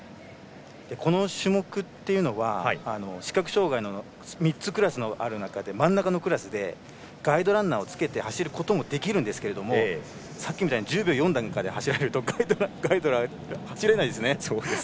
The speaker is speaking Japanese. この種目は視覚障がいの３つクラスがある中で真ん中のクラスでガイドランナーをつけて走ることもできるんですけれどもさっきみたいに１０秒４台で走られるとガイドランナーは走れないですね。